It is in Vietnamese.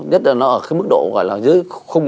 nhất là nó ở cái mức độ gọi là dưới một